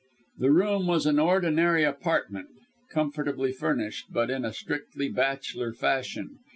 The room was an ordinary apartment, comfortably furnished, but in a strictly bachelor fashion.